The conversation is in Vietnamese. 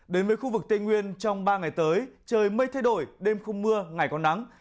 đến với khu vực tây nguyên trong ba ngày tới trời mây thay đổi đêm không mưa ngày có nắng